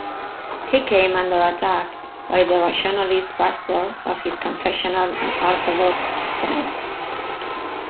He came under attack by the rationalist pastors for his confessional and orthodox stand.